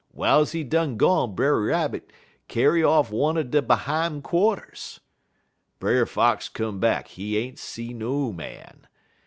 Wiles he done gone Brer Rabbit kyar off one er de behime quarters. Brer Fox come back; he ain't see no man.